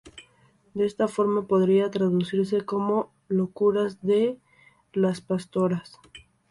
De esta forma podría traducirse como "Locuras de las pastoras".